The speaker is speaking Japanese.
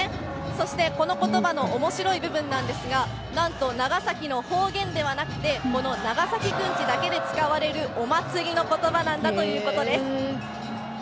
そして、このことばのおもしろい部分なんですが、なんと長崎の方言ではなくて、この長崎くんちだけで使われる、お祭りのことばなんだということです。